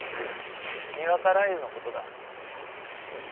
にわか雷雨のことだ。